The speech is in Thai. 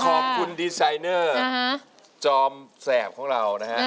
ขอบคุณดีไซน์เนอร์จอมแสบเรา